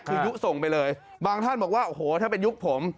คือยุส่งไปเลยบางท่านบอกว่าโอ้โหถ้าเป็นยุคผม